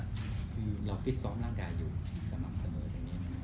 แล้วออฟฟิตฟรรมร่างกายอยู่เฉยตรงนี้